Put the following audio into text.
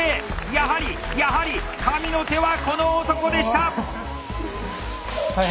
やはりやはり神の手はこの男でした！